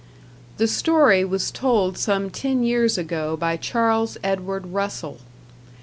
The story was told some ten years ago by Charles Edward Russell.